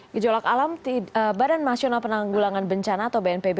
gejolak alam badan nasional penanggulangan bencana atau bnpb